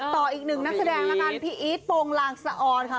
ต่ออีกหนึ่งนักแสดงแล้วกันพี่อีทโปรงลางสะออนค่ะ